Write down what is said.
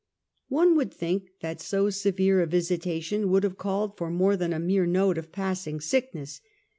One would think that so severe a visitation would have called for more than a mere note of passing sickness.